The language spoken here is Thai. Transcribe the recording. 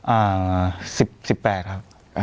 อ่า๑๘ครับ